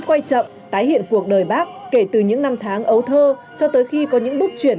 quay chậm tái hiện cuộc đời bác kể từ những năm tháng ấu thơ cho tới khi có những bước chuyển